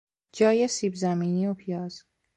جای سیب زمینی و پیاز